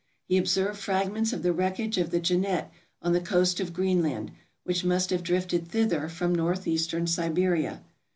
He observed fragments of the wreckage of the "Jeannette" on the coast of Greenland, which must have drifted thither from northeastern Siberia.